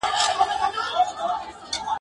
پیر بابا ..